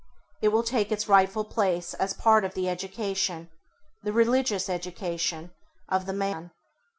It will take its rightful place as part of the education, the religious education, of the man.